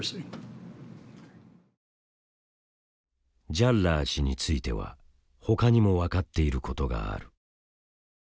ジャッラー氏についてはほかにも分かっていることがある。